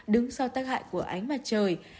đứng sau tác hại của ánh mặt trời